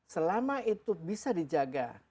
selama itu bisa dijaga